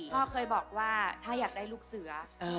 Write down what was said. พ่อเคยบอกว่าถ้าอยากได้ลูกเสือ